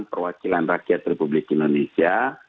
perwakilan rakyat republik indonesia